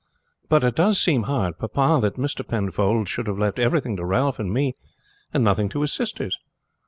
"But it does seem hard, papa, that Mr. Penfold should have left everything to Ralph and me and nothing to his sisters."